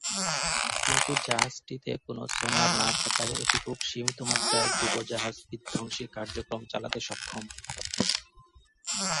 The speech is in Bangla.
কিন্তু জাহাজটিতে কোন সোনার না থাকায় এটি খুব সীমিত মাত্রায় ডুবোজাহাজ-বিধ্বংসী কার্যক্রম চালাতে সক্ষম।